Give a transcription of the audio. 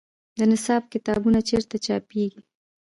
د نصاب کتابونه چیرته چاپیږي؟